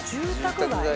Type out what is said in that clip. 住宅街？